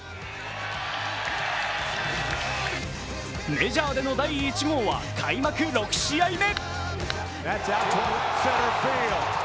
メジャーでの第１号は開幕６試合目。